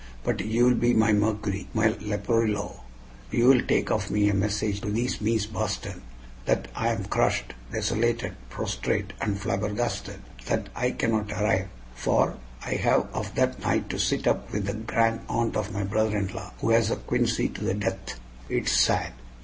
But you will be my Mercury my Leporello you will take of me a message to thees Mees Boston, that I am crushed, desolated, prostrate, and flabbergasted that I cannot arrive, for I have of that night to sit up with the grand aunt of my brother in law, who has a quinsy to the death. It is sad."